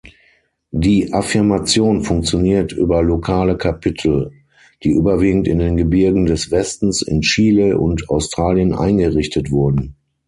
Die Affirmation funktioniert über lokale Kapitel, die überwiegend in den Gebirgen des Westens, in Chile und Australien eingerichtet wurden.